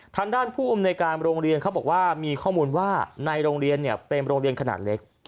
ทางด้านผู้อำนวยการโรงเรียนเขาบอกว่ามีข้อมูลว่าในโรงเรียนเป็นโรงเรียนขนาดเล็ก